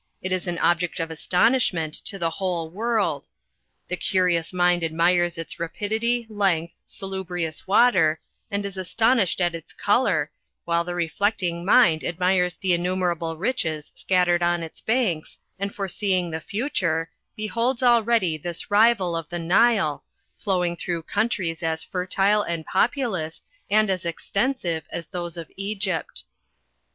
It is an object of astonishment to the whole world. The curious mind admires its rapidity, length, salubrious water, and is astonished at its color, while the reflecting mind ad mires the innumerable riches scattered on its banks, and fore seeing th^ future, beholds already this rival of the Mile, flow ing through countries as fertile and populous, and as exten sive as those of Egypt.